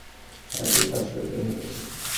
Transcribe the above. প্রথম দুজন আমি আসার অনেক আগেই পাস করে বের হয়ে গেছেন।